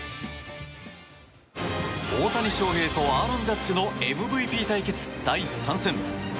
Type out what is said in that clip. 大谷翔平とアーロン・ジャッジのＭＶＰ対決第３戦。